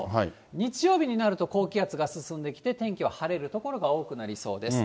日曜日になると、高気圧が進んできて、天気は晴れる所が多くなりそうです。